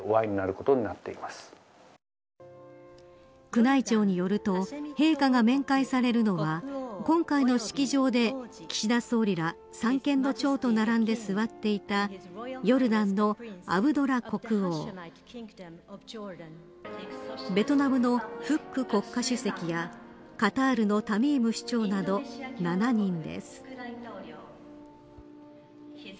宮内庁によると陛下が面会されるのは今回の式場で岸田総理ら三権の長と並んで座っていたヨルダンのアブドラ国王ベトナムのフック国家主席やカタールのタミーム首長など７人です。